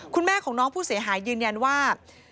คุณแม่ของน้องผู้เสียหายยืนยันว่า